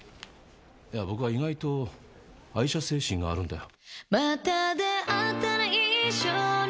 いや僕は意外と愛社精神があるんだよ。